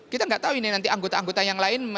kita nggak tahu ini nanti anggota anggota yang lain